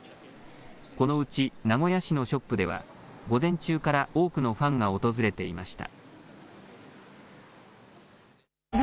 このうち名古屋市のショップでは午前中から多くのファンが訪れていました。